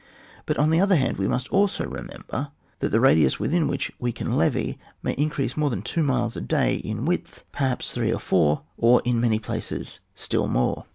But on the other hand, we must also remember that the radius within which we can levy may in crease more than two miles a day in width, perhaps three or four, or in many places still more.